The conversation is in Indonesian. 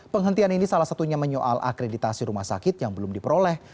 penghentian ini salah satunya menyoal akreditasi rumah sakit yang belum diperoleh